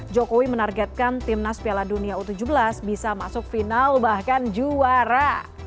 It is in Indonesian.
jokowi menargetkan timnas piala dunia u tujuh belas bisa masuk final bahkan juara